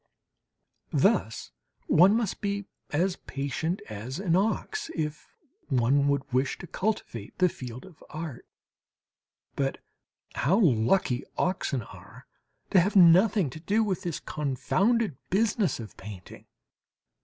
Thus one must be as patient as an ox if one would wish to cultivate the field of art. But how lucky oxen are to have nothing to do with this confounded business of painting!